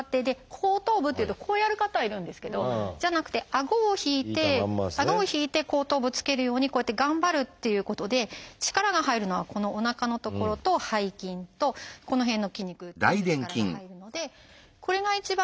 後頭部っていうとこうやる方がいるんですけどじゃなくて顎を引いて顎を引いて後頭部つけるようにこうやって頑張るっていうことで力が入るのはこのおなかの所と背筋とこの辺の筋肉全部力が入るのでこれが一番